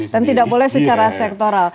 dan tidak boleh secara sektoral